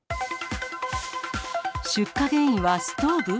出火原因はストーブ？